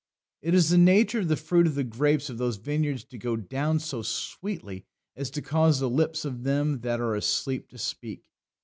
It is the nature of the fruit of the grapes of those vineyards to go down so sweetly as to cause the lips of them that are asleep to speak."